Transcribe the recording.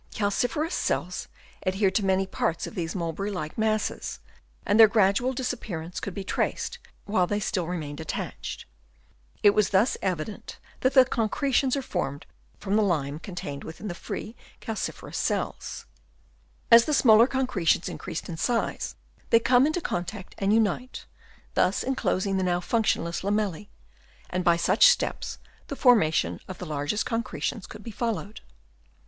Calciferous cells adhered to many parts of these mulberry like masses, and their gradual disappearance could be traced while they still remained attached. It was thus evident that the concretions are formed from the lime contained within the E 50 HABITS OF WOKMS. Chap. I. free calciferous cells. As the smaller concre tions increase in size, they come into contact and unite, thus enclosing the now functionless lamellse ; and by such steps the formation of the largest concretions could be followed.